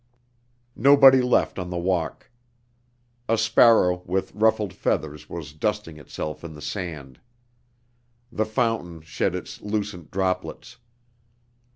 Nobody left on the walk. A sparrow with ruffled feathers was dusting itself in the sand. The fountain shed its lucent droplets.